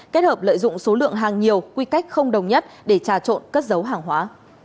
kết hợp lợi dụng số lượng hàng nhiều quy cách không đồng nhất để trà trộn cất dấu hàng hóa